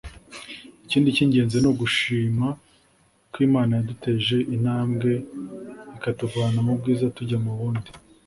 Ikindi cy’ingenzi ni ugushima ko Imana yaduteje intambwe ikatuvana mu bwiza tujya mu bundi